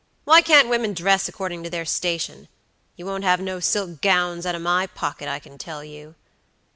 "Why can't women dress according to their station? You won't have no silk gownds out of my pocket, I can tell you."